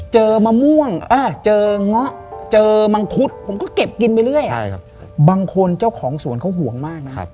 มะม่วงเจอเงาะเจอมังคุดผมก็เก็บกินไปเรื่อยบางคนเจ้าของสวนเขาห่วงมากนะครับ